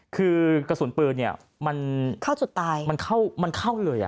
คือกระสุนปืนเนี่ยมันเข้าจุดตายมันเข้ามันเข้าเลยอ่ะ